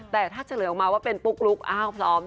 แต่ถ้าเฉลยออกมาว่าเป็นปุ๊กลุ๊กอ้าวพร้อม